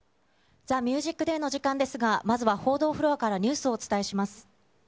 ＴＨＥＭＵＳＩＣＤＡＹの時間ですが、まずは報道フロアからニュースをお伝えします。